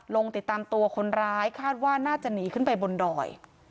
ลงติดตามตัวคนร้ายคาดว่าน่าจะหนีขึ้นไปบนดอย